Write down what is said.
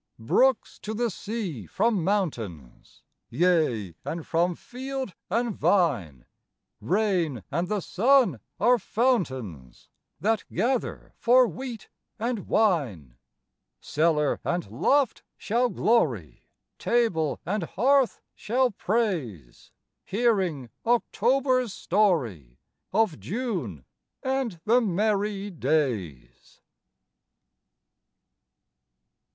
Brooks to the sea from mountains, Yea, and from field and vine: Rain and the sun are fountains That gather for wheat and wine. Cellar and loft shall glory, Table and hearth shall praise, Hearing October's story Of June and the merry days.